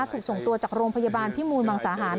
ถูกส่งตัวจากโรงพยาบาลพิมูลมังสาหาร